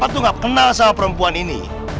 papa tuh gak kenal sama perempuan ini